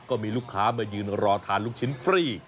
ก็มีลูกค้ามายืนรอทานลูกชิ้นฟรี